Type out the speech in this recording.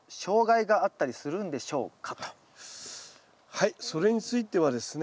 はいそれについてはですね